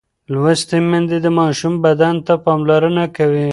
لوستې میندې د ماشوم بدن ته پاملرنه کوي.